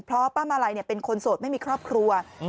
เพราะป้ามาลัยเป็นคนโสดไม่มีครอบครัว